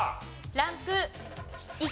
ランク１。